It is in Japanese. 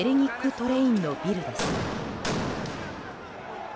・トレインのビルです。